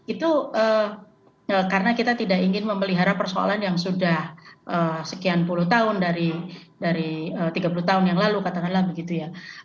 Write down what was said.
itu karena kita tidak ingin memelihara persoalan yang sudah sekian puluh tahun dari tiga puluh tahun yang lalu katakanlah begitu ya